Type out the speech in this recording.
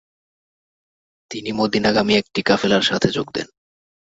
তিনি মদিনাগামী একটি কাফেলার সাথে যোগ দেন।